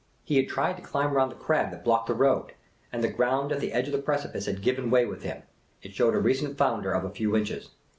He had tried to climb round the crag that blocked the road, and the ground at the edge of the precipice had given way with him ; it showed a recent founder of a few inches.